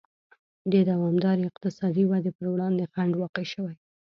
د دوامدارې اقتصادي ودې پر وړاندې خنډ واقع شوی.